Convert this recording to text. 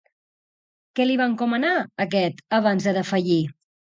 Què li va encomanar, aquest, abans de defallir?